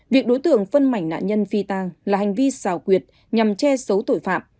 việc đối tượng phân mảnh nạn nhân phi tang là hành vi xào quyệt nhằm che giấu tội phạm